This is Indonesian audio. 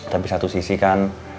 tapi satu sisi kan